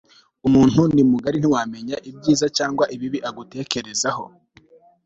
umuntu ni mugari ntiwamenya ibyiza cyangwa ibibi agutekerezaho